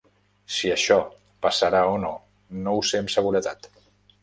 Si això passarà o no, no ho sé amb seguretat.